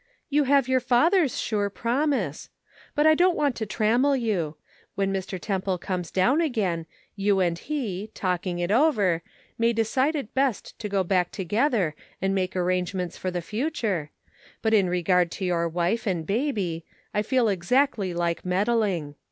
" You have your Father's sure promise ; but I don't want to trammel you ; when Mr. Temple comes down again, you and he, talking it over, may decide it best to go back together and make arrangements for the future, but in regard to your wife and baby, I feel exactljr like meddling.